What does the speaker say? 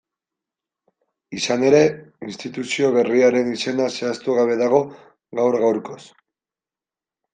Izan ere, instituzio berriaren izena zehaztugabe dago gaur-gaurkoz.